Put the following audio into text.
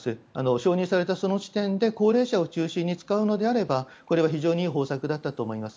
承認されたその時点で高齢者を中心に使うのであれば非常にいい方策だったと思います。